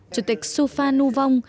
chủ tịch supha nu vong